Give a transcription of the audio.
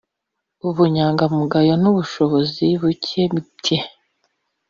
ubunyangamugayo n ubushobozi bike bye